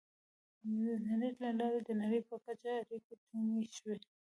• د انټرنیټ له لارې د نړۍ په کچه اړیکې ټینګې شوې.